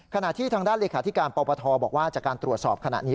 ขณะที่ทางด้านเลขาธิการปปทบอกว่าจากการตรวจสอบขณะนี้